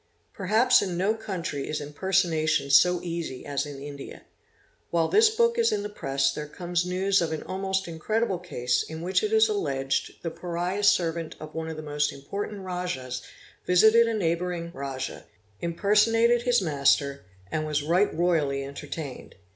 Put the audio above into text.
Perhaps in no country is impersonation so easy as in India. While this book is in the press there comes news of an almost incredible case in which it is alleged the pariah servant of one of the most important Rajahs visited a neighbouring Rajah, impersonated his master, and was right royally entertained.